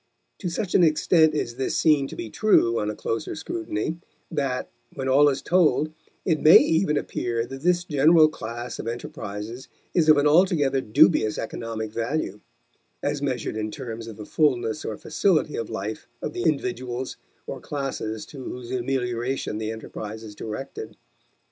To such an extent is this seen to be true on a closer scrutiny, that, when all is told, it may even appear that this general class of enterprises is of an altogether dubious economic value as measured in terms of the fullness or facility of life of the individuals or classes to whose amelioration the enterprise is directed.